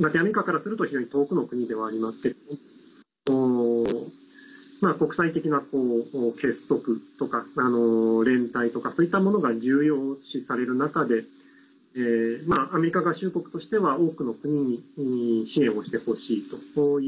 ラテンアメリカからすると遠くの国ではありますけど国際的な結束とか連帯とかそういったものが重要視される中でアメリカ合衆国としては多くの国に支援をしてほしいと。